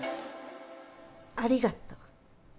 ありがとう。